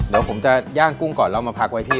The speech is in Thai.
เดี๋ยวผมจะย่างกุ้งก่อนแล้วมาพักไว้ที่